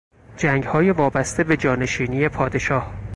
جنگهای وابسته به جانشینی پادشاه